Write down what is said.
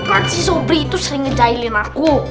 kan si sobri itu sering ngejahilin aku